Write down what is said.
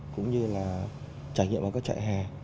cũng như là trải nghiệm vào các chạy hè